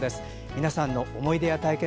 皆さんの思い出や体験